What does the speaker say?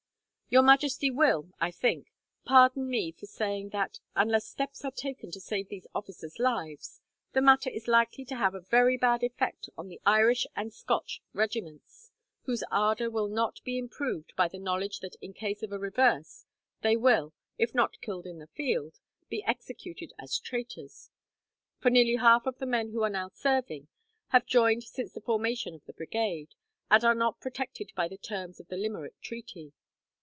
"Your Majesty will, I think, pardon me for saying that, unless steps are taken to save these officers' lives, the matter is likely to have a very bad effect on the Irish and Scotch regiments, whose ardour will not be improved by the knowledge that in case of a reverse they will, if not killed in the field, be executed as traitors; for nearly half of the men who are now serving have joined since the formation of the Brigade, and are not protected by the terms of the Limerick treaty.